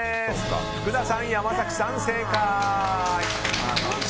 福田さん、山崎さん、正解！